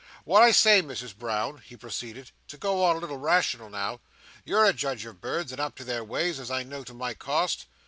"Well, I say, Misses Brown!" he proceeded. "To go on a little rational now. You're a judge of birds, and up to their ways, as I know to my cost."